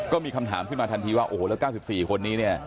ก็มีคำถามขึ้นมาทันทีว่าโอ้โหแล้ว๙๔คนนี้เนี่ย